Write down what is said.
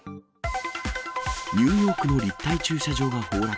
ニューヨークの立体駐車場が崩落。